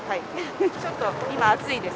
ちょっと今、暑いです。